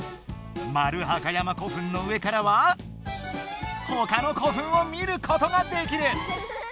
丸墓山古墳の上からはほかの古墳を見ることができる。